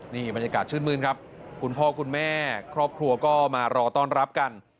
นี่บรรยากาศชื่นมื้นครับคุณพ่อคุณแม่ครอบครัวก็มารอต้อนรับกัน